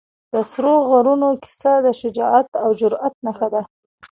د سرو غرونو کیسه د شجاعت او جرئت نښه ده.